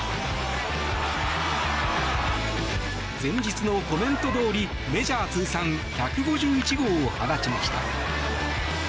前日のコメントどおりメジャー通算１５１号を放ちました。